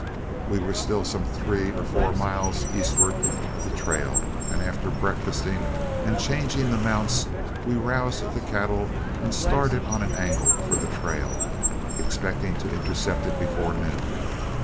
We were still some three or four miles eastward of the trail, and after breakfasting and changing mounts we roused the cattle and started on an angle for the trail, expecting to intercept it before noon.